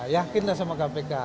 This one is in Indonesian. yakinlah sama kpk